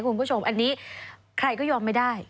คุณผู้ชมอันนี้ใครก็ยอมไม่ได้